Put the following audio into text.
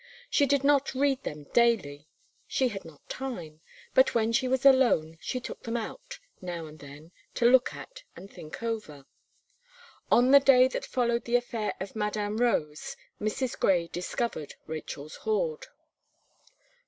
She did not read them daily; she had not time; but when she was alone, she took them oat, now and then, to look at and think over. On the day that followed the affair of Madame Rose, Mrs. Gray discovered Rachel's board.